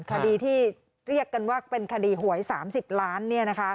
คดีที่เรียกกันว่าเป็นคดีหวย๓๐ล้าน